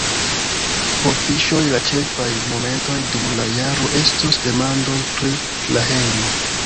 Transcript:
Por Fiŝoj la ĉefaj momentoj dum la jaro estos demandoj pri la hejmo.